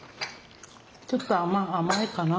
ちょっと甘いかな？